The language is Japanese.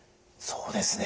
そうですね。